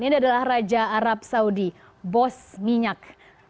ini adalah raja arab saudi bos minyak